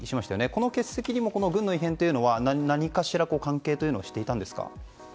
この欠席にも軍の異変は関係していたんですか？